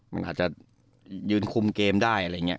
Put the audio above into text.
มันอาจจะยืนคุมเกมได้อะไรอย่างนี้